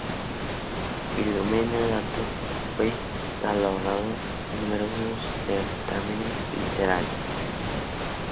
Filomena Dato fue galardonada en numerosos certámenes literarios.